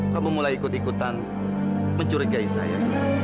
kamu mulai ikut ikutan mencurigai saya